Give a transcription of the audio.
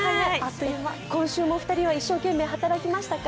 今週も２人は一生懸命働きましたか？